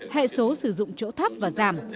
hệ số sử dụng chỗ thấp và giảm